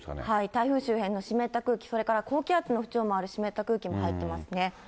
台風周辺の湿った空気、それから高気圧の縁を回る湿った空気も入っていますね。